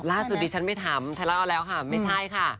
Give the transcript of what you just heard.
ล่าสุดนี้ฉันไม่ถามถ้าเล่าแล้วค่ะไม่ใช่ค่ะ